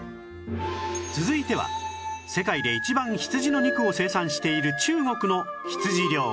続いては世界で一番羊の肉を生産している中国の羊料理